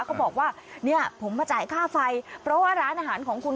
เขาบอกว่าเนี่ยผมมาจ่ายค่าไฟเพราะว่าร้านอาหารของคุณ